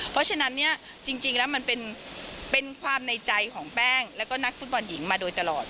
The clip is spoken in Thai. เพราะฉะนั้นเนี่ยจริงแล้วมันเป็นความในใจของแป้งแล้วก็นักฟุตบอลหญิงมาโดยตลอด